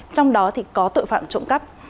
trong đó thì có tội phạm trộm cắp